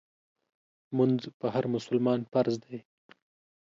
مونځ په هر مسلمان فرض دی